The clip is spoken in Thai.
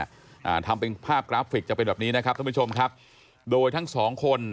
อ่าทำเป็นภาพกราฟิกจะเป็นแบบนี้นะครับท่านผู้ชมครับโดยทั้งสองคน